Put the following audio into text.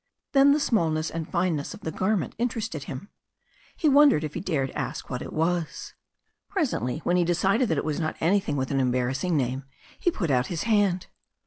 Then the smallness and fineness of the garment interested him. He wondered if he dared ask what it was. Presently, when he had decided that it was not anything with an embarrass ing name, he put out his hand.